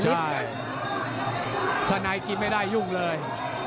ใช่ถ้าในกินไม่ได้ยุ่งเลย